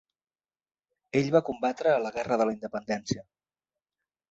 Ell va combatre a la Guerra de la Independència.